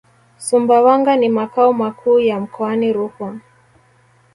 Sumbawanga ni makao makuu ya mkoani Rukwa